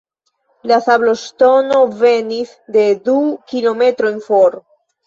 La sabloŝtono venis de du kilometrojn for.